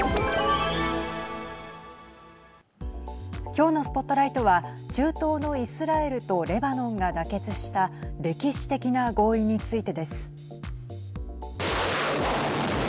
今日のＳＰＯＴＬＩＧＨＴは中東のイスラエルとレバノンが妥結した歴史的な合意についてです。